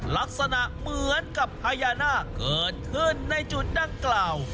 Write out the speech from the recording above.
ลักษณะเหมือนกับพญานาคเกิดขึ้นในจุดดังกล่าว